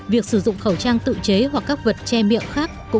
việc sử dụng khẩu trang tự chế hoặc các vật tre miệng khác